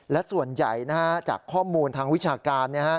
และส่วนใหญ่จากข้อมูลทางวิชาการ